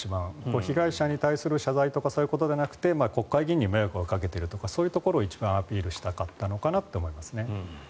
被害者に対する謝罪とかそういうことじゃなくて国会議員に迷惑をかけているとかというところを一番アピールしたかったのかなと思いますね。